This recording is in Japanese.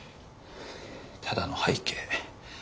ただの背景。